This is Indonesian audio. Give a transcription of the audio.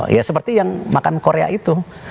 ya seperti yang makan korea itu